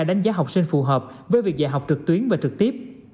đánh giá học sinh phù hợp với việc dạy học trực tuyến và trực tiếp